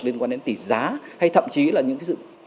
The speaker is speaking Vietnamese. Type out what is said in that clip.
liên quan đến tỷ giá hay thậm chí là những cái sự